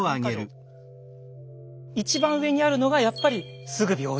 一番上にあるのがやっぱり「すぐ病院へ」。